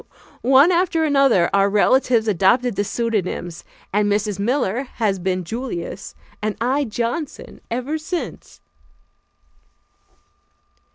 One after another our relatives adopted the pseudonyms, and Mrs. Miller has been "Julius" and I "Johnson" ever since.